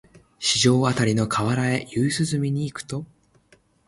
四条あたりの河原へ夕涼みに行くと、